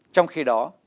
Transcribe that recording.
trong khi đó